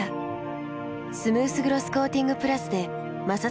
スムースグロスコーティングプラスで摩擦ダメージも低減。